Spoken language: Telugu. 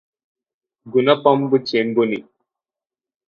గునపంబు చేబూని